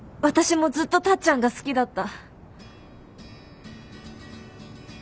私もずっとタッちゃんが好きだった。